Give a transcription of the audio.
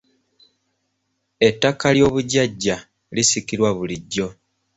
Ettaka ly'obujjaja lisikirwa bulijjo.